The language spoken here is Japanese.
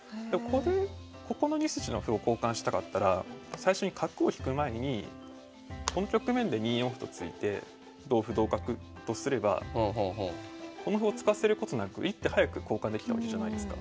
ここの２筋の歩を交換したかったら最初に角を引く前にこの局面で２四歩と突いて同歩同角とすればこの歩を突かせることなく１手早く交換できたわけじゃないですか。